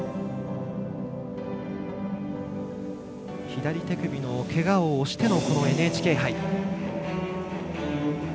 左手首のけがをおしてのＮＨＫ杯。